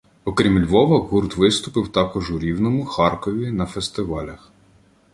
Окрім Львова гурт виступив також у Рівному, Харкові, на фестивалях